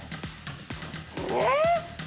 えっ！？